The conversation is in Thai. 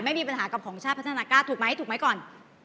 ไม่มีปัญหากับของชาติพัฒนากล้าถูกไหมถูกไหมก่อน